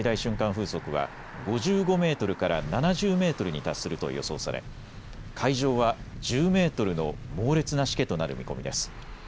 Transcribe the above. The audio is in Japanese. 風速は５５メートルから７０メートルに達すると予想され海上は１０メートルの猛烈なしけとなる見込みです。